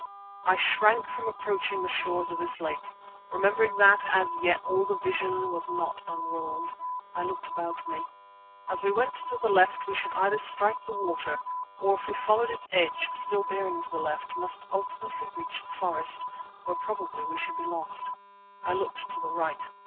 I shrank from approaching the shores of this lake, remembering that as yet all the vision was not unrolled. I looked about me. If we went to the left we should either strike the water, or if we followed its edge, still bearing to the left, must ultimately reach the forest, where probably we should be lost. I looked to the right.